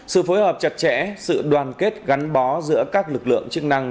sự phối hợp chặt chẽ sự đoàn kết gắn bó giữa các lực lượng chức năng